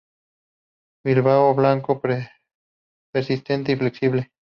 Vilano blanco, persistente y flexible.